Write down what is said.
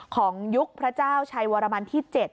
ยุคพระเจ้าชัยวรมันที่๗